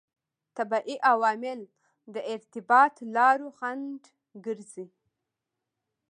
طبیعي عوامل د ارتباط لارو خنډ ګرځي.